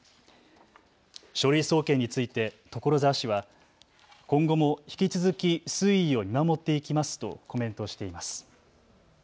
書類送検について所沢市は今後も引き続き推移を見守っていきますとコメントしています。